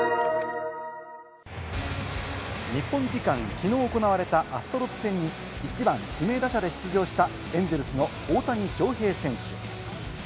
日本時間きのう行われたアストロズ戦に、１番・指名打者で出場したエンゼルスの大谷翔平選手。